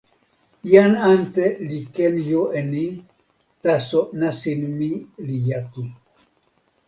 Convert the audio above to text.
jan ante li ken jo e ni, taso nasin mi li jaki.